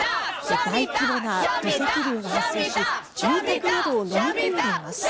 大規模な土石流が発生し住宅などをのみ込んでいます。